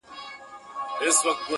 زه قلندر یم په یوه قبله باور لرمه؛